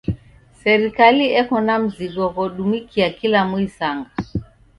Serikali eko na msigo ghodumikia kula muisanga.